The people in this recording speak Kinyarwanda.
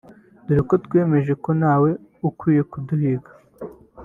dore ko twiyemeje ko ntawe ukwiye kuduhiga